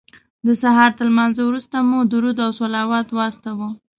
د سهار تر لمانځه وروسته مو درود او صلوات واستاوه.